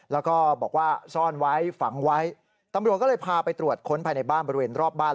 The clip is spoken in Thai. แล้วก็บอกว่าซ่อนไว้ฝังไว้ตำรวจก็เลยพาไปตรวจค้นภายในบ้านบริเวณรอบบ้าน